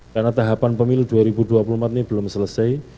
karena tahapan pemilu dua ribu dua puluh empat ini belum selesai